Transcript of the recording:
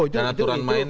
dan aturan main